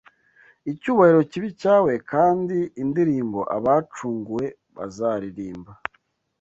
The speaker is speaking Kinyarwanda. Icyubahiro kibe icyawe kandi indirimbo abacunguwe bazaririmba